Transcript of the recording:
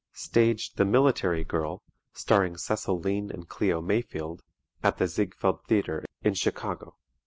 Staged "The Military Girl," starring Cecil Lean and Cleo Mayfield, at the Ziegfeld Theatre in Chicago.